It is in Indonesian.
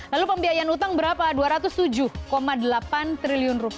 lalu pembiayaan utang berapa rp dua ratus tujuh delapan triliun